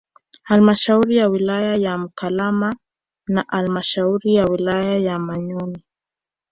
Halmashauri ya wilaya ya Mkalama na halmashauri ya wilaya ya Manyoni